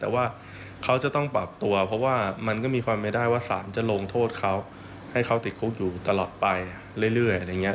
แต่ว่าเขาจะต้องปรับตัวเพราะว่ามันก็มีความไม่ได้ว่าสารจะลงโทษเขาให้เขาติดคุกอยู่ตลอดไปเรื่อยอะไรอย่างนี้